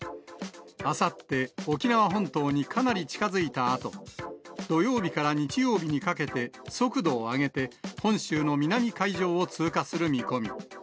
あさって、沖縄本島にかなり近づいたあと、土曜日から日曜日にかけて、速度を上げて本州の南海上を通過する見込み。